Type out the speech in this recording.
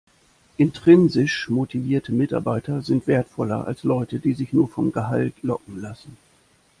Intrinsisch motivierte Mitarbeiter sind wertvoller als Leute, die sich nur vom Gehalt locken lassen.